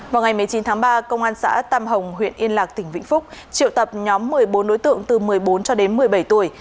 vào ngày một mươi chín tháng ba công an xã tam hồng huyện yên lạc tỉnh vĩnh phúc triệu tập nhóm một mươi bốn đối tượng từ một mươi bốn cho đến một mươi bảy tuổi